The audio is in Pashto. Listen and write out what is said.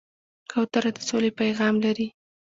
کوتره د سولې پیغام لري.